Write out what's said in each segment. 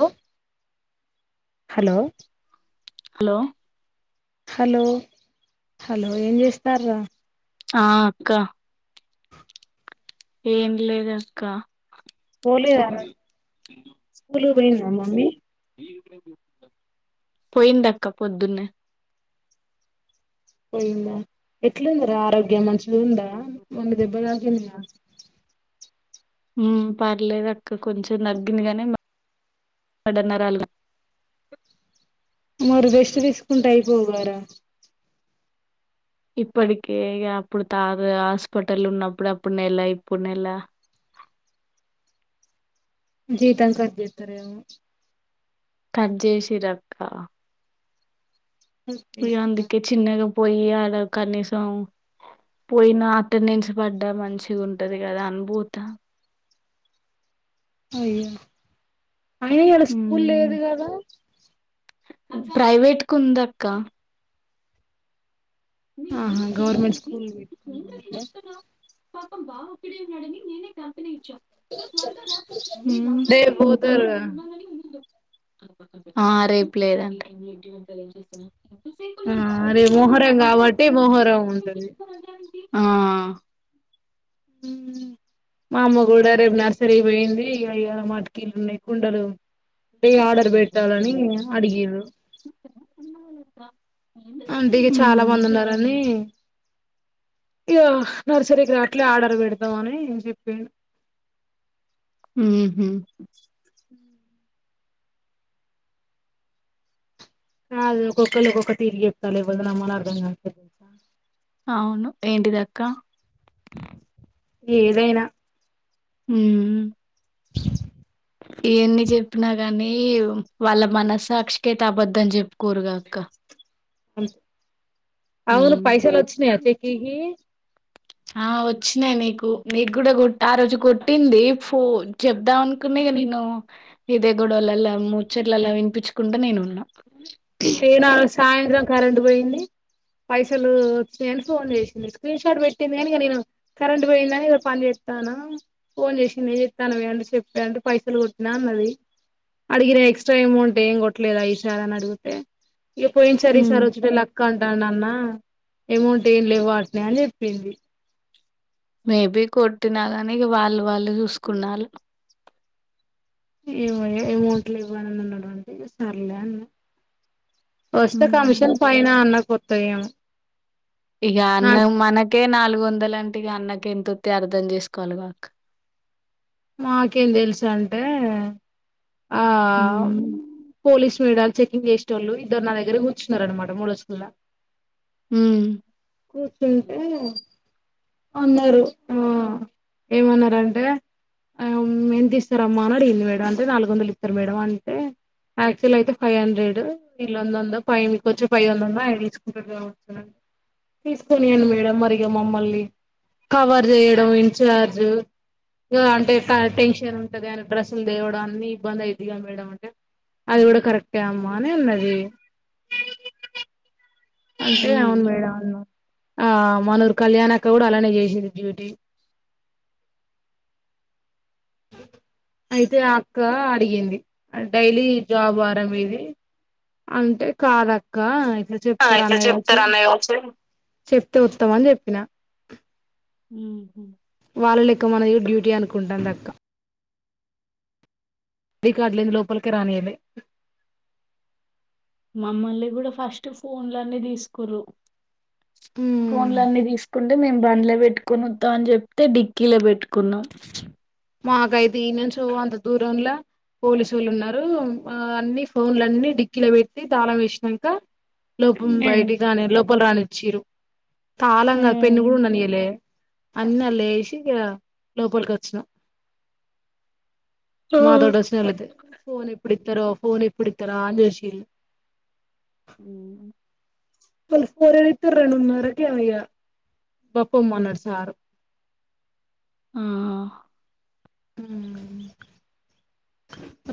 Hello hello hello hello hello ఏం చేస్తారా ఆ అక్క ఏం లేదు అక్క పోలేదా రా స్కూలుకు పోయిందా మమ్మీ పోయిందక్క పొద్దునే పోయియంద ఎట్లుందార ఆరోగ్యం మంచిగా ఉందా మొన్న దెబ్బతాకి ఆ పర్లేదు అక్క కొంచెం తాగింది కానీ నరాలు మరి దిష్టి తీసుకుంటే అయిపోగారా ఇప్పటికే అప్పుడు తాత హాస్పిటల్ ఉన్నప్పుడు అప్పుడు నెల ఇప్పుడు నెల ఆ జీతం కట్ చేస్తారేమో కట్ చేసి రక్క ఇంకా అందుకే చిన్నగా పోయి అడ కనీసం పోయినా అటెండెన్స్ పడ్డా మంచిగా ఉంటది కదా అనీ పోతా ఆ అయ్యో అయిన ఇయాల స్కూల్ ఉమ్ లేదు కదా ప్రైవేట్ కు ఉంద అక్క ఆహా గవర్మెంట్ స్కూల్ పాపం బా ఒప్పుడే ఉన్నాడని నేనే కంపెనీ ఇచ్చాను రేపు పోతారుగా ఆ ఆ రేపు లేదండి ఆ అరే మోహరం కాబట్టి మోహరం ఉంటుంది ఆ ఉ మా అమ్మ కూడా రేపు నర్సరీ పోయింది ఇ ఇ మాకిీళ్లు ఉన్నాయి కుండలు ఇగ అంటే ఆర్డర్ పెట్టాలని అడిగిరు అంటే ఇగ చాలా మంది ఉన్నారని ఇగ నర్సరీకి రాట్లే ఆర్డర్ పెడతామని చెప్పి ఆ ఉహు కా ఒక్కొ ఒక్కలు ఒక్కొక్కటి తిరిగి చేస్తామ్ ఎవర్ని నమ్మాలో అర్దం అవును ఏంటిదక్క ఏదైనా ఉ ఇవన్ని చెప్పినా కాని వాళ్ళ మనస్సక్షిికైతే అబద్దం చెప్పుకోరుగాక్క అవును పైసలు వచ్చినయ సితికి ఆ వచ్చినాయి నీకు నీకు కూడా కొట్ ఆ రోజు కొట్టింది ఫో చెప్దాం అనుకునే ఇ నేను ఇదే గొడవలలా ముచ్చట్ల అల్ల వినిపించుకుంట నేను ఉన్నా కరెంటు పోయింది పైసలు వచ్చాయని ఫోన్ చేసింది స్క్రీన్ షాట్ పెట్టింది కాని ఇగ నేను కరెంట్ పోయింది అని పని చేస్ చెప్స్తాను ఫోన్ చేసింది చెస్తాను వడి చెప్పా పైసలు కొట్టినా అన్నది అడిగిన ఎక్స్ట్రా అమౌంట్ ఏం కొట్టలేద ఈ సార్ అని అడుగు అ ఇ పోయిన్ సారి చరీ సారి వచ్చిట్ లక్క ఉంటాన్న న్నా అమౌంట్ ఏం లేవు వాటిని అని చెప్పింది మేబి కొట్టిన కానీ వాళ్ళు వాళ్ళు చూసుకున్నారు ఏవ అమౌంట్లు ఇవ్వని ఉన్నటువంటే సర్లే అని వస్తే ఉమ్ కమిషన్ పైన అన్న కొత్త ఏమో ఇగ అన్న మనకి ఇకే నాలుగు వందల అంటే ఇగ అన్నకి ఎంత వత్తయి అర్థం చేసుకోవాలి బకు మాకేం తెలుసు అంటే ఆ ఉ పోలీస్ చెకింగ్ చేసెటోళ్ళు ఇద్దరు నా దగ్గర కూర్చున్నారు అన్నమాట మూజకుల్లా ఉ పూర్తయితే అన్నరు ఆ ఏమన్నరంటే ఎంత ఇస్తారమ్మా అని అడిగింది మేడం అంటే నాలుగు వందలు ఇస్తారు మేడం అంటే యాక్చువల్ అయితే ఫైవ్ హండ్రెడ్ వీల్ల వంద వంద పైవ్ మీకు వచ్చే పైవ్ వందంద ఆయన తీసుకుంటారు కావచ్చుండి తీసుకొనియాను మేడం మరిగా మమ్మల్ని కవర్ చేయడం ఇన్ఛార్జ్ ఇ అంటే టెన్షన్ ఉంటది కానీ డ్రస్సులు దేవడం అన్ని ఇబ్బంది ఇదిగా మేడం అంటే అది కూడా కరెక్టే అమ్మా అనే అన్నది అంతే హ్మ్. అవును మేడం అవును ఆ మనూరు కళ్యాణ అక్క కూడా అలానే చేసింది డ్యూటీ అయితే ఆ అక్క అడిగింది డైలీ జాబ్ ఆరా మీది అంటే కాదక్క ఇలా ఆ! చెప్తరు ఇట్లా అన్నయో చెప్తారు అన్నయ్య వచ్చి. చెప్ తో ఉత్తమని చెప్పిన ఆ వాళ్ళ లెక్క మనది డ్యూటీ అనుకుంటాదీ దక్క రికార్డు లేనిదే లోపలికి రానీయరే మమ్మల్ని కూడా ఫస్ట్ ఫోన్లన్నీ తీసుకురు మ్మ్ ఫోన్లన్ని తీసుకుంటే మేమ్ బండి పెట్టుకోత అని చెప్తే డిక్కీలో పెట్టుకున్నాం మాకైతే ఈ నెల్సు అంత దూరంలో పోలీసు వాళ్ళు ఉన్నారు ఆ అన్ని ఫోన్లన్ని డిక్కిీలో పెట్టి తాళం వేసినాక లోపం హ్మ్. బయటి కాని లోపల రానిచ్చీరు తళంగా పెన్ను హ్మ్. కూడా ఉండనీయలే అన్ని అందులో వేసి లోపలికి వచ్చినం ఆ! మాతోటి వస్తే ఎప్పుడొస్తారో ఫోన్ ఎప్పుడు ఇస్తారు అని చూశారు ఆ మళ్లీ ఫోన్ ఎప్పుడు ఇస్తారు రెండున్నారా కి ఇక బప్ప మొన్నటీ సారు ఆ ఆ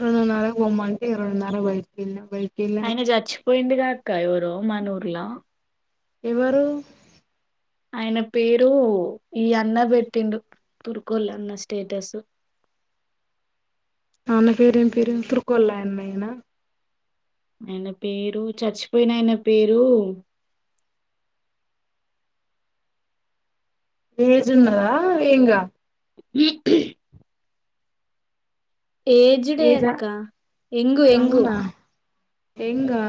రెండున్నారా కి పోమంటే రెండున్నర కి బయటికి వెళ్లిన అయిన చచ్చిపోయిందిగా అక్క ఎవరో మనూర్లా ఎవరు ఆయన పేరు ఈ అన్న పెట్టిండు దుర్గోలన్న స్టేటస్ ఆమె పేరు ఏం పేరు తరుకుల్లా అన్ననా ఆయన పేరు చచ్చిపోయిన ఆయన పేరు ఏజు ఉన్నదా యంగ్ ఆ ఉ ఏజడే ఏజా అక్క ఎంగు ఎంగూ యంగా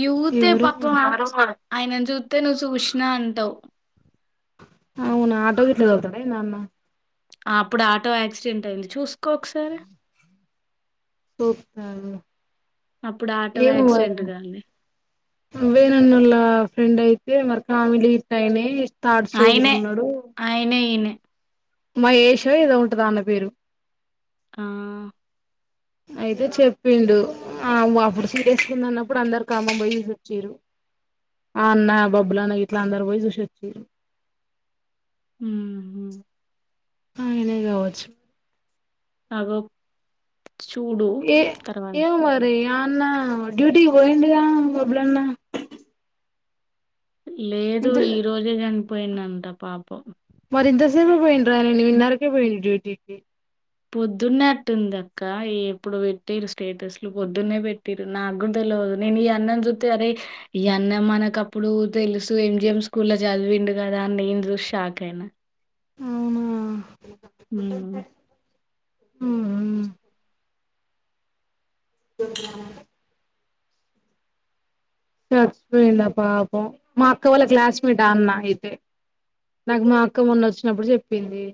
యూతే పక్క ఆయన చూస్తే నువ్వు చూసినా అంటావ్ అవునా ఆటో గేట్ల తోలుతాడు ఏంటో అన్న అప్పుడు ఆటో యాక్సిడెంట్ అయింది చూసుకో ఒకసారి సోపుత అప్పుడు ఆటో ఏమో మరీ యాక్సిడెంట్ కాంది వేనన్నల ఫ్రెండ్ అయితే మరి కామెడీ హిట్ అయినాయి థర్డ్ స్టేజ్ లో ఆయనే ఉన్నాడు ఆయనే ఈయనే మహేశ్వర ఏదో ఉంటదీ ఆ అన్న పేరు ఆ అయితే చెప్పిండు ఆ అప్పుడు సీరేసుకుంద అన్నప్పుడు అందరికి కాలముప్ వచ్చిండ్రు అ అన్నా బబ్లు అన్న ఎట్లా అందరూ పోయి చూసి వచిర్రు ఉమ్ అయినే కావచ్చు అగో చూడు ఏ తర్వాత ఏమరి ఆ అన్నా డ్యూటీకి పోయిండుగా బబ్లు అన్న లేదు ఈ రోజే చనిపోయిండంట పాపం మరి ఇంతసేపు పోఇన్ డ్రానే మిన్ నారాకే పోయిండ్ డూటీకి పొద్దున్నే అట్టుందక్క ఏ ఎప్పుడో వేట్టిరు స్టేటస్ లు పొద్దున్నే బెట్టిరు నాక్ గున్ దేల్ లోద్ నేనీ ఈ అన్నం జూతే అరే ఈ అన్నాం మనకప్ ఇప్పుడు తెల్సు ఎంజిఎం స్కూల్ ల జద్ విండు గదా నేన్ జూస్ షాక్ ఐనా అవునా ఉమ్ ఉహుమ్ దో డ్ల ట్రాచ్ పోయింద పాపం మా అక్క వాళ్ళ క్లాస్మేట్ ఆ అన్న ఐతే నాకు మా అక్క మొన్నోచ్చినప్పుడు జేప్పింది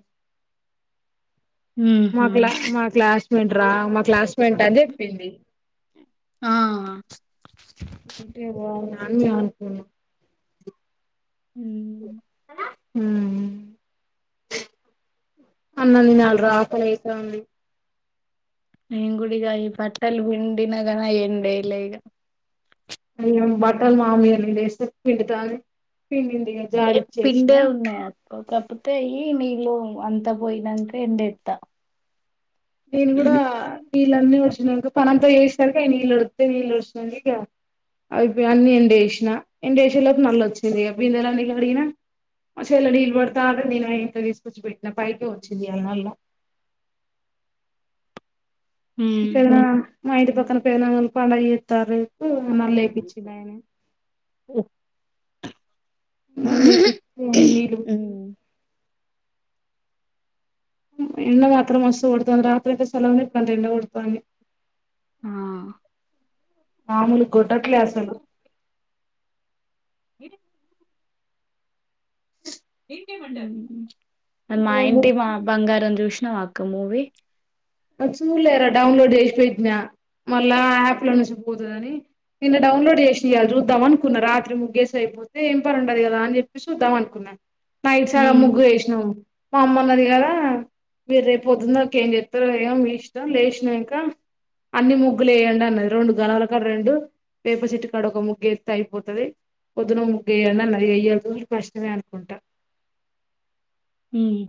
మా ఉహు కిల మా క్లాస్ మెంట్రా మా క్లాస్ మెంట్ అన్ జేప్పింది ఆ అన్ యాన్ కు ఉమ్ ఉమ్ అన్నాం దీనాల్ రా ఆకలైతాంది నేన్ గుడిగ ఈ పట్టలు ఎండిన గన ఎండేలే ఈగ అయ్యో బట్టల్ మా మీగట్లు జేస్తే పిండుతాన్ పిండిన్ ఏ పిండే ఉన్నాయి క కాక్ పోతే ఇయ్యి మీ లోన్ అంత పోయినంక ఎండేత్త నేన్ గూడా నీళ్ళన్నీ ఓచ్చినాంక పనంత ఎష్ స్తార్ కే నీలోత్తే నీలోస్తంది ఇక్కరా అయ్ పే అన్ని ఎండేష్ నా ఎంజే లోప్ నల్లోచ్చింది బిందలాన్ని గడిగినా మా చేల్ల నీల్ పడతాటండి నీనాయె ఇంట్ల దీసుగోచ్ పోం నా పైకో ఓచ్చింది ఇయ్యళ్ నళ్ళ ఉమ్ పేదనాన్న మా ఇంటి పక్కన పెదనానోల్ పండగ జేతారు ఉమ్ నళ్ళే పిచ్చింది అయ్ నే అ మళ్ళీ బిట్టు ఆ నీరు ఉమ్ ఉమ్ ఎండ మాత్రం మస్తూ కోడతాంద్ రాత్రికి సల్లగ్ నే ఇప్ టం ఎండ గోడతాంది ఆ మామూల్ గోట్టట్లే అస్సలు ఇడి ఇంకేమంటారు అద్ మా ఇగ ఇంటి ముగ్గు మా బంగారం జూష్నావక్క మూవీ ఆ చూలేరా డౌన్లోడ్ జెస్ పెట్నా మళ్ళా యాప్ లానేస్ పోతాదని నిన్న డౌన్లోడ్ జేష్ ఇయాల్ జూద్దాం మనుకున్న రాత్రి ముగ్గేసి ఐపోతే ఏం పనుండదు గదా అని జేప్పిసి చూద్దా అన్ కున్నా అ నైట్ సగ్గం ఉమ్ ముగ్గు ఏష్ నావ్ మామ్మన్నది గదా ఏ రేప్ పొద్దున్ దాక్ ఏ జేత్ ఉదయం మీ ఇష్టమ్ లేష్ నంకా అన్ని ముగ్గులు యేయండన్ అన్నది రొండు గనవాల్ కాడ రొండు యేపా చెట్టు కాడ ఒక ముగ్గేతే ఐపోతది పొద్దునా ముగ్గేయలా లైయెయ్యకు కష్టమే అనుకుంటా ఉమ్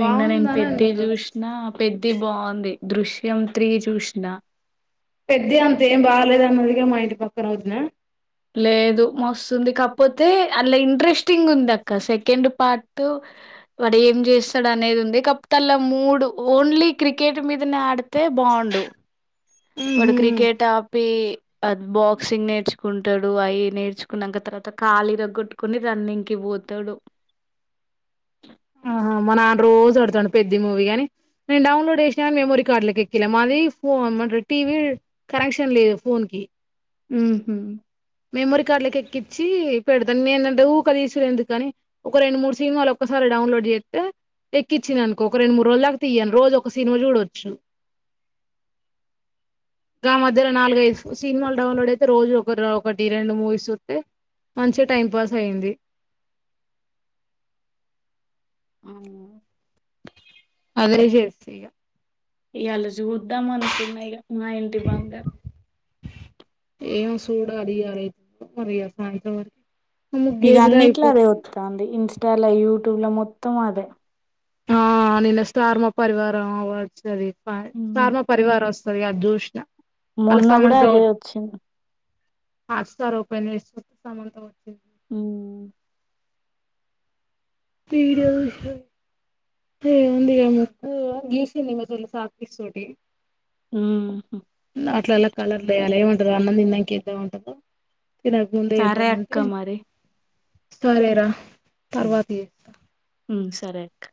నిన్న నేన్ బాగుందని పెద్ది అన్నారు జూష్ నా పెద్ది బాఉంది దృశ్యం త్రీ జూష్ణ పెద్ద అంత ఏం బాలేద్ అన్నదిగా మా ఇంటి పక్కన ఓద్నా లేదు మస్తుంది కాపోతే అలా ఇంట్రెస్టింగుందక్కా సెకండు పార్టు వాడు ఏం జేస్తడు అనేది ఉంది కప్ తల మూడు ఓన్లీ క్రికెట్ మీదనే ఆడ్తే బాఉండు వాడు ఉహుమ్ క్రికెట్ ఆపి అ బాక్సింగ్ నేర్చుకుంటడు అవి నేర్చుకున్నాక తర్వాత కాల్ ఇరగ్గొట్టుకొని రన్నింగ్కి పోతడు ఆ ఆహ మా నాన్న రోజ్ అడ్ పెద్ది మూవీగాని నేను డౌన్లోడ్ చేసినాని మెమొరి కార్డ్ లోకి ఎక్కిల మాది ఫోన్ అంట టీవీ కనెక్షన్ లేదు ఫోన్ కి ఉహు మెమొరీ కార్డులె కి ఎక్కిచి పెడుదన్ నేనుంటే ఊ కె తీసుడెందుకని ఒక రెండు మూడు సిన్మాలు ఒక్క డౌన్లోడ్ చేస్తే ఎక్కించిందనుకో ఒక రెండు మూడు రోజులాకి తీయను రోజు ఒక సినిమా చూడొచ్చు ఆ ఆ మధ్యలో నాలుగైఐదు సినిమాలు డౌన్లోడ్ అయితే రోజు ఒక ఒకటి రెండు మూవీస్ చుత్తే మంచిగా టైం పాస్ అయింది అవును అదే చేస్త ఇగ ఇయాళ చూద్దాం అనుకున్నా ఇగ మా ఇంటి బంగారం ఏం సూడు అడి యాలె పోరీ ఇగ సాయంత్రానికి ఇగ అన్నిట్లో అదే వత్తాంది ఇన్స్టాలో యూట్యూబ్ లో మొత్తం అదే ఆ నిన్న స్టార్ మా పరివారం అవార్డ్స్ జరిగిపయా స్టార్ మా పరివార్ వస్ అది జుష్ణ మొన్న కూడా అదే వచ్చింది హాట్స్టార్ ఓపెన్ చేసి చూస్తాను అంత వరకే ఊ వీడియోలు ఉందిగా మొత్తం ఉమ్ అట్లా అలా కలర్ లేయాల ఏముంటదు అన్నం దిన్నాక ఎద్దమంటారా తినక ముందే సరే అక్క ఎద్దమంటె మరి సరేరా తర్వాత చేయ్ ఉమ్ సరే అక్